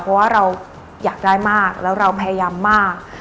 เพราะว่าเราอยากได้มากแล้วเราพยายามมาก